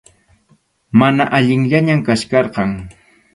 Mana allinllañam kachkarqan.